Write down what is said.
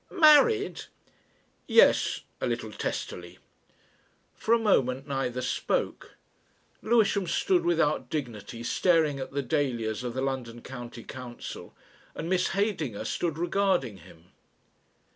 "Married!" "Yes," a little testily. For a moment neither spoke. Lewisham stood without dignity staring at the dahlias of the London County Council, and Miss Heydinger stood regarding him.